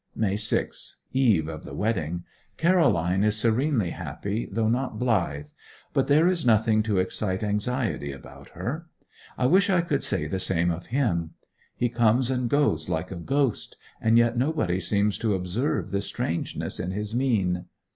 May 6. Eve of the wedding. Caroline is serenely happy, though not blithe. But there is nothing to excite anxiety about her. I wish I could say the same of him. He comes and goes like a ghost, and yet nobody seems to observe this strangeness in his mien.